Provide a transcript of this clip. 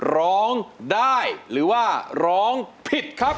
ร้องได้หรือว่าร้องผิดครับ